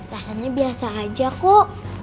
rasanya biasa aja kok